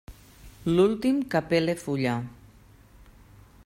L'últim, que pele fulla.